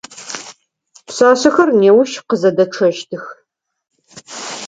Пшъашъэхэр неущ къызэдэчъэщтых.